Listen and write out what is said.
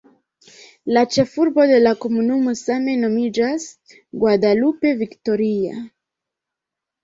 La ĉefurbo de la komunumo same nomiĝas "Guadalupe Victoria".